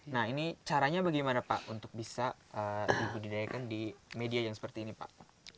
nah ini caranya bagaimana pak untuk bisa dibudidayakan di media yang seperti ini pak